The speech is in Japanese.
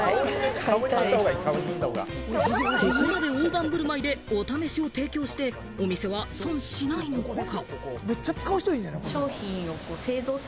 ここまで大盤振る舞いで、お試しを提供して、お店は損しないのか？